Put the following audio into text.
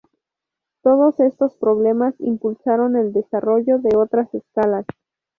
Todos estos problemas impulsaron el desarrollo de otras escalas.